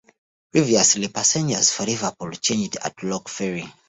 Previously passengers for Liverpool changed at Rock Ferry.